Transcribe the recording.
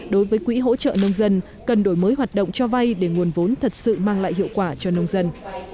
đối với quỹ hỗ trợ nông dân cần đổi mới hoạt động cho vay để nguồn vốn thật sự mang lại hiệu quả cho nông dân